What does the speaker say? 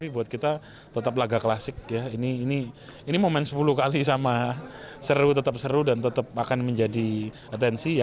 buat kita tetap laga klasik ya ini momen sepuluh kali sama seru tetap seru dan tetap akan menjadi atensi ya